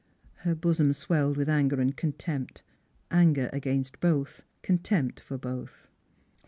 Her bosom swelled with anger and contempt — anger against both, contempt for both.